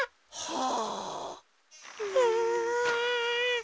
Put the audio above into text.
はあ。